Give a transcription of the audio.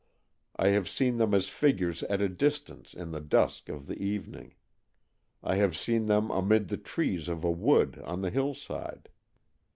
I have seen them as figures at a distance in the dusk of the evening. I have seen them amid the trees of a wood on the hill side.